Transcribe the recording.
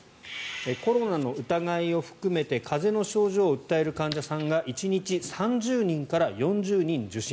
コロナの疑いを含めて風邪の症状を訴える患者さんが１日、３０人から４０人受診。